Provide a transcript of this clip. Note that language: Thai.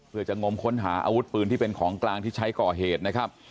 เพื่อจะงมค้นหาอาวุธปืนที่เป็นของกลางที่ใช้ก่อเหตุนะครับ